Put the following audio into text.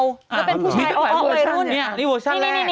รอเป็นผู้ชายออกรุ่น